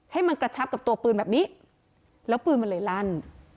ให้มันกระชับกับตัวปืนแบบนี้แล้วปืนมันเลยลั่น